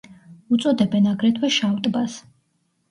უწოდებენ აგრეთვე „შავ ტბას“.